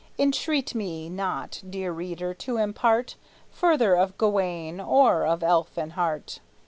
Entreat me not, dear reader, to impart Further of Gawayne, or of Elfinhart.